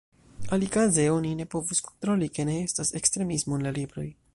Alikaze oni ne povus kontroli, ke ne estas ekstremismo en la libroj.